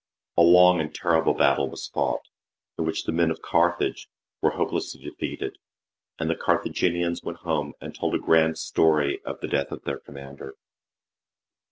A long and terrible battle was fought, in which the men of Carthage were hopelessly defeated, and the Carthaginians went home and told a grand story of the death of their commander.